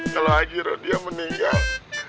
kalo haji rodia meninggal